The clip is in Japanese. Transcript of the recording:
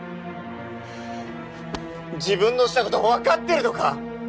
自分のしたこと分かってるのか！？